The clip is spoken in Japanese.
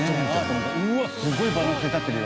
うわっすごいバランスで立ってるよ！